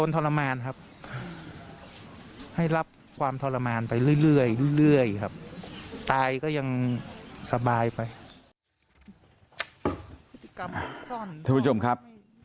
ทุกผู้ชมครับ